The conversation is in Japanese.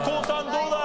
どうだ？